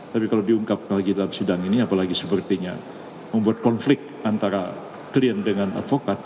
tapi kalau diungkapkan lagi dalam sidang ini apalagi sepertinya membuat konflik antara klien dengan advokat